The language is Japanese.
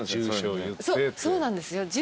そうなんですよ